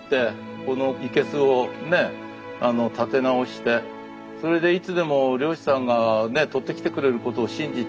この生けすをね立て直してそれでいつでも漁師さんがね取ってきてくれることを信じて。